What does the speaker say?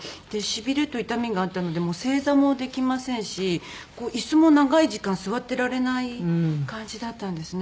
で痺れと痛みがあったので正座もできませんし椅子も長い時間座っていられない感じだったんですね。